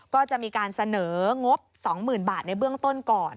ก็จะมีการเสนองบ๒๐๐๐บาทในเบื้องต้นก่อน